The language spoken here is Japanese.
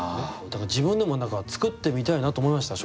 だから自分でも作ってみたいなと思いました